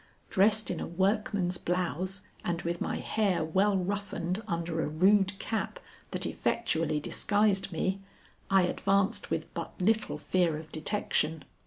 Dressed in a workman's blouse and with my hair well roughened under a rude cap that effectually disguised me, I advanced with but little fear of detection.